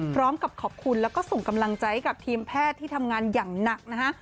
พร้อมกับขอบคุณแล้วก็ส่งกำลังใจให้กับทีมแพทย์ที่ทำงานอย่างหนักนะฮะ